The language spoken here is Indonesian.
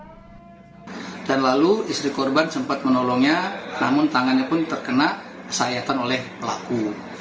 dan lalu istri korban sempat menolongnya namun tangannya pun terkena sayatan oleh pelaku